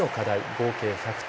合計１００点。